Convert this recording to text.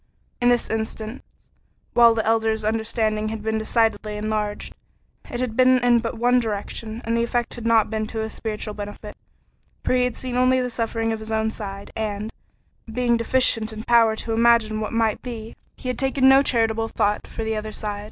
In this instance, while the Elder's understanding had been decidedly enlarged, it had been in but one direction, and the effect had not been to his spiritual benefit, for he had seen only the suffering of his own side, and, being deficient in power to imagine what might be, he had taken no charitable thought for the other side.